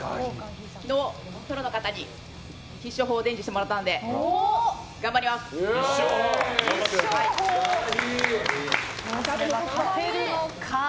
昨日、プロの方に必勝法を伝授してもらったので勝てるのか。